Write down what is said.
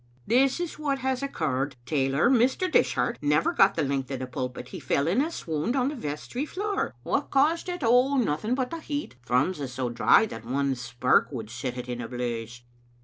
"This is what has occurred. Tailor: Mr. Dishart, never got the length of the pulpit. He fell in a swound on the vestry floor. What caused it? Oh, nothing but the heat. Thrums is so dry that one spark would set it in a blaze."